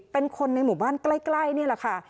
เป็นคนในหมู่บ้านใกล้นี่แหละค่ะ